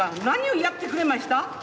何をやってくれました？